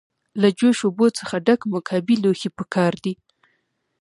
له جوش اوبو څخه ډک مکعبي لوښی پکار دی.